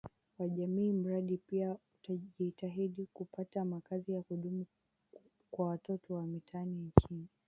wa jamii Mradi pia utajitahidi kupata makazi ya kudumu kwa watoto wa mitaani nchini